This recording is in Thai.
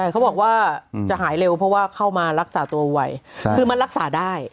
เขาบอกว่าจะหายเร็วเพราะว่าเข้ามารักษาตัวไวคือมันรักษาได้